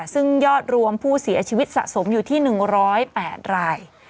ซึ่งยอดรวมผู้เสียชีวิตสะสมอยู่ที่๑๐๘ราย